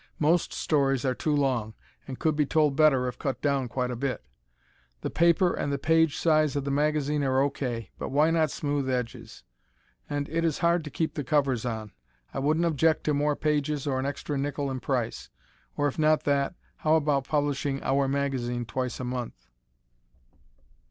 Most stories are too long, and could be told better if cut down quite a bit. The paper and the page size of the magazine are okay, but why not smooth edges? And it is hard to keep the covers on. I wouldn't object to more pages or an extra nickel in price. Or if not that, how about publishing "our" magazine twice a month?